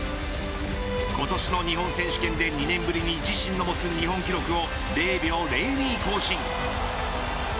今年の日本選手権で２年ぶりに自身の持つ日本記録を０秒０２更新。